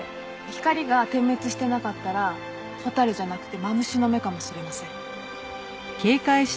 光が点滅してなかったら蛍じゃなくてマムシの目かもしれません。